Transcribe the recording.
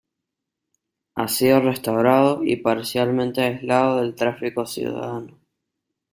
Ha sido restaurado y parcialmente aislado del tráfico ciudadano.